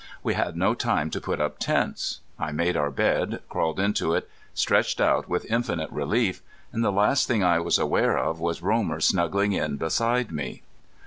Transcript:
We had no time to put up tents. I made our bed, crawled into it, stretched out with infinite relief; and the last thing I was aware of was Romer snuggling in beside me.